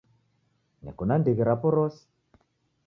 Neko na ndighi rapo rose.